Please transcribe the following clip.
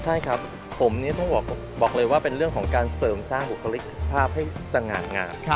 ใช่ครับผมเนี่ยต้องบอกเลยว่าเป็นเรื่องของการเสริมสร้างบุคลิกภาพให้สง่างาม